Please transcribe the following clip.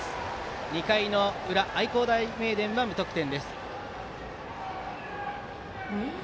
２回の裏、愛工大名電は無得点。